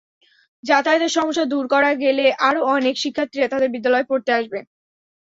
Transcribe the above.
যাতায়াতের সমস্যা দূর করা গেলে আরও অনেক শিক্ষার্থী তাঁদের বিদ্যালয়ে পড়তে আসবে।